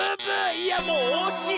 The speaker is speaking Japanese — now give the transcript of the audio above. いやもうおしい！